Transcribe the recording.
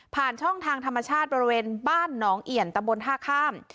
ช่องทางธรรมชาติบริเวณบ้านหนองเอี่ยนตะบนท่าข้าม